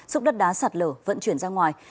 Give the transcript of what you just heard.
xúc đất đá sạt lở vận chuyển ra ngoài